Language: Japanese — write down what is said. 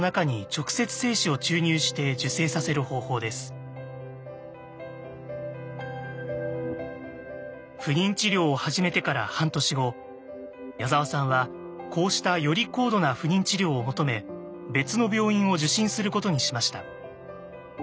そして不妊治療を始めてから半年後矢沢さんはこうしたより高度な不妊治療を求め別の病院を受診することにしました。